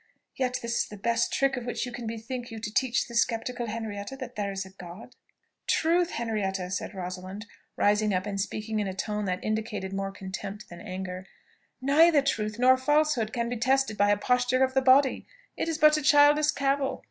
Yet this is the best trick of which you can bethink you to teach the sceptical Henrietta that there is a God." "Truth, Henrietta," said Rosalind, rising up and speaking in a tone that indicated more contempt than anger, "neither truth nor falsehood can be tested by a posture of the body. It is but a childish cavil.